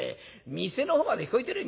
店の方まで聞こえてるよ。